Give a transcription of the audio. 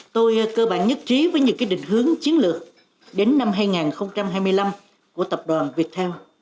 tôi cơ bản nhất trí với những định hướng chiến lược đến năm hai nghìn hai mươi năm của tập đoàn viettel